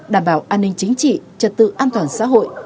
đảm bảo an ninh chính trị trật tự an toàn xã hội